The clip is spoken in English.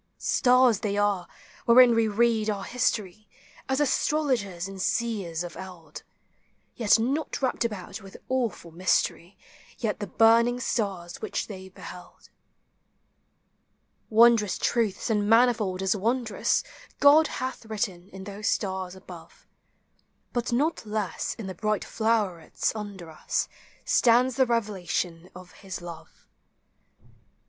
239 Stars they are, wherein we read our history, As astrologers and seers of eld; Yet not wrapped about with awful mystery, Like the burning stars which they beheld. Wondrous truths, and manifold as wondrous, God hath written in those stars above; But not less in the bright flowerets under us Stands the revelation of his love.